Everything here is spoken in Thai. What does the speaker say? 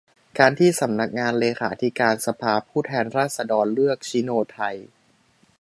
การที่สำนักงานเลขาธิการสภาผู้แทนราษฎร เลือก ชิโนไทย